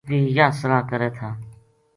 ویہ یاہ صلاح کرے تھا